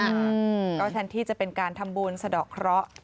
อืมก็แทนที่จะเป็นการทำบุญสะดอกเคราะห์